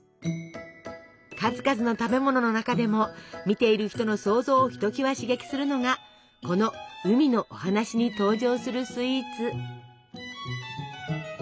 数々の食べ物の中でも見ている人の想像をひときわ刺激するのがこの「うみのおはなし」に登場するスイーツ。